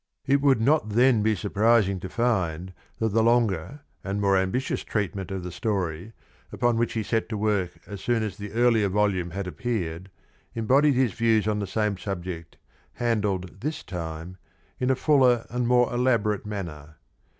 It would not then be surprising to find that the longer and more ambitious treatment of the story, upon which he set to work as soon as the earlier volume had appeared, embodied his views on the same subject, handled this time in a fuller and more elaborate manner.